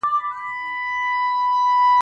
د دغې نجلۍ دغسې خندا ده په وجود کي,